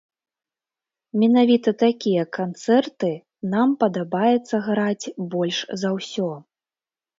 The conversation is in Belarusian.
Менавіта такія канцэрты нам падабаецца граць больш за ўсё.